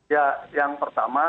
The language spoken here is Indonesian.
ya yang pertama